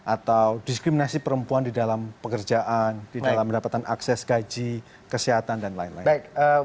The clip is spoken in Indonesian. atau diskriminasi perempuan di dalam pekerjaan di dalam mendapatkan akses gaji kesehatan dan lain lain